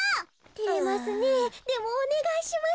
てれますねえでもおねがいします。